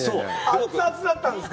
熱々だったんですか？